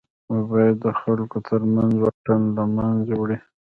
موبایل د خلکو تر منځ واټن له منځه وړي.